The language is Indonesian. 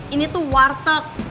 ini tuh warteg